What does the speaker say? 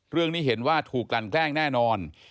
เรื่องนี้เห็นว่าถูกกลั่นแกล้งแน่นอน